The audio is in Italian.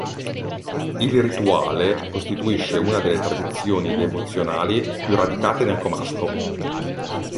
Il rituale costituisce una delle tradizioni devozionali più radicate nel comasco.